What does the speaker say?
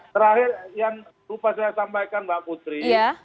terakhir yang lupa saya sampaikan mbak putri